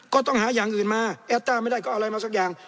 ก็ต้องหาอย่างอื่นมาแอดต้าไม่ได้ก็เอาอะไรมาสักอย่าง